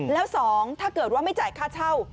แล้ว๒ถ้าเกิดว่าไม่จ่ายค่าเช่า